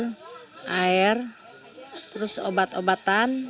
kemudian air terus obat obatan